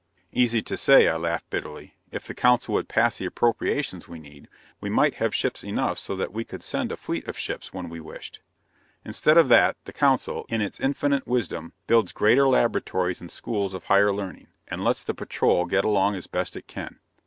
"Easy to say," I laughed bitterly. "If the Council would pass the appropriations we need, we might have ships enough so that we could send a fleet of ships when we wished. Instead of that, the Council, in its infinite wisdom, builds greater laboratories and schools of higher learning and lets the Patrol get along as best it can."